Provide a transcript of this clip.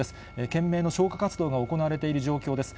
懸命の消火活動が行われている状況です。